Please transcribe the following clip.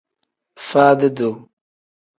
Faadi-duu.